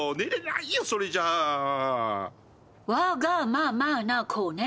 わーがーままな子ね。